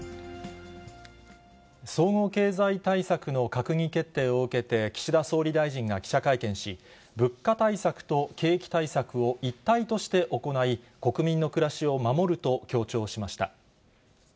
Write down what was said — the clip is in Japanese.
総合経済対策の閣議決定を受けて、岸田総理大臣が記者会見し、物価対策と景気対策を一体として行い、国民の暮らしを守ると強調しました。